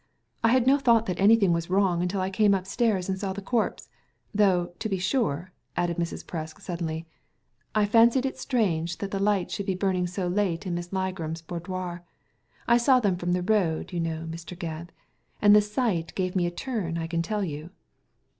I had no thought that anything was wrong until I came upstairs and saw the corpse ; though, to be sure," added Mrs. Presk, suddenly, •* I fancied it strange that the lights should be burning so late in Miss Ligram's boudoir. I saw them from the road, you know, Mr. Gebb; and the sight gave me a turn, I can tell you."